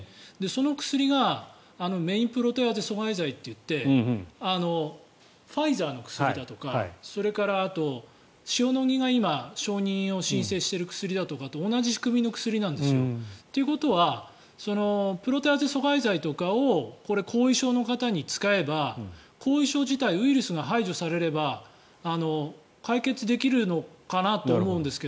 その薬がメインプロテアーゼ阻害剤といってファイザーの薬だとかそれから塩野義が今承認を申請している薬だとかと同じ仕組みの薬なんですよ。ということはプロテアーゼ阻害剤とかを後遺症の方に使えば後遺症自体ウイルスが排除されれば解決できるのかなと思うんですが。